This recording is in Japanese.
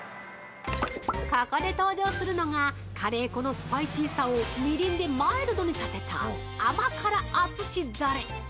◆ここで登場するのがカレー粉のスパイシーさをみりんでマイルドにさせた甘辛Ａｔｓｕｓｈｉダレ！